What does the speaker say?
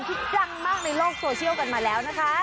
ที่ดังมากในโลกโซเชียลกันมาแล้วนะคะ